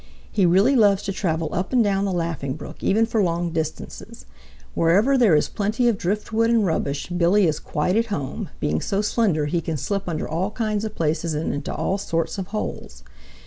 "He really loves to travel up and down the Laughing Brook, even for long distances. Wherever there is plenty of driftwood and rubbish, Billy is quite at home, being so slender he can slip under all kinds of places and into all sorts of holes.